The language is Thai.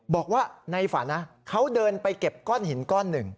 บอกว่าในฝันนะเขาเดินไปเก็บก้อนหินก้อนหนึ่ง